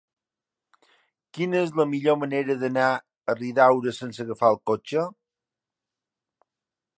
Quina és la millor manera d'anar a Riudaura sense agafar el cotxe?